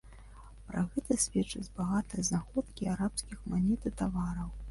Пра гэта сведчаць багатыя знаходкі арабскіх манет і тавараў.